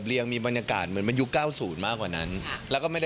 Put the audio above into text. จะเริ่มแตกแจกราศเดือนหน้าแล้วค่ะ